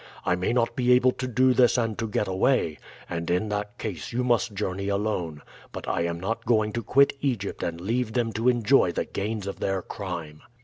I may not be able to do this and to get away, and in that case you must journey alone; but I am not going to quit Egypt and leave them to enjoy the gains of their crime."